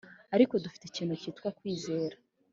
ariko dufite ikintu cyitwa kwizera.